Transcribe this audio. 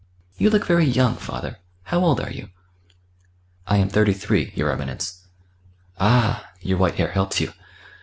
You look very young, father. How old are you?" "I am thirty three, your Eminence." "Ah! your white hair helps you....